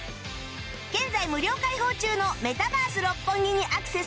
現在無料開放中のメタバース六本木にアクセスすれば